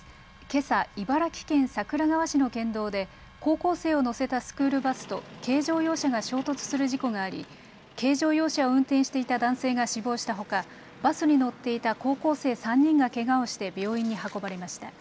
けさ茨城県桜川市の県道で高校生を乗せたスクールバスと軽乗用車が衝突する事故があり軽乗用車を運転していた男性が死亡したほか、バスに乗っていた高校生３人がけがをして病院に運ばれました。